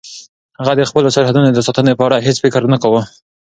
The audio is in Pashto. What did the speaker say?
هغه د خپلو سرحدونو د ساتنې په اړه هیڅ فکر نه کاوه.